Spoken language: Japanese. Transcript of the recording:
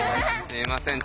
すいません